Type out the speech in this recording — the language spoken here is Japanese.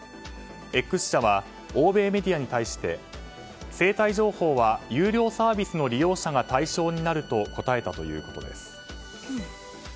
Ｘ社は、欧米メディアに対して生体情報は有料サービスの利用者が対象になると答えたということです。